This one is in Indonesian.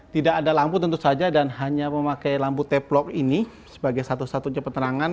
tidak ada lampu tentu saja dan hanya memakai lampu taplock ini sebagai satu satunya penerangan